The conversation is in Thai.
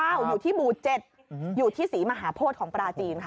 อยู่ที่บูท๗อยู่ที่สีมหาพศของปลาจีนค่ะ